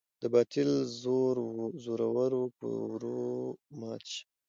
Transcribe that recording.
د باطل زور ورو په ورو مات شي.